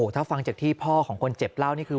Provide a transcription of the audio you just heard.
ถ้าฟังจากที่พ่อของคนเจ็บเล่านี่คือ